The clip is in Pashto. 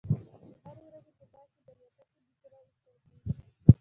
د هرې ورځې په پای کې د الوتکې بیټرۍ ایستل کیږي